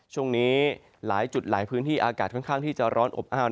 ช่วงนี้หลายจุดหลายพื้นที่อากาศค่อนข้างที่จะร้อนอบอ้าว